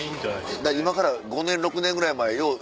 今から５年６年ぐらい前よう